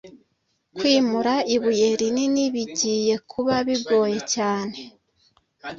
Kwimura ibuye rinini bigiye kuba bigoye cyane.